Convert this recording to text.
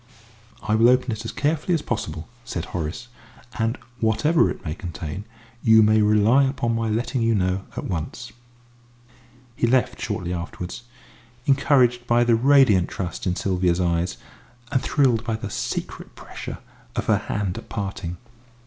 "I will open it as carefully as possible," said Horace, "and whatever it may contain, you may rely upon my letting you know at once." He left shortly afterwards, encouraged by the radiant trust in Sylvia's eyes, and thrilled by the secret pressure of her hand at parting.